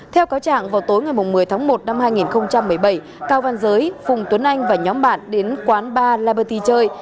theo cáo trạng vào tối ngày một mươi tháng một năm hai nghìn một mươi bảy cao văn giới phùng tuấn anh và nhóm bạn đến quán bar laberti chơi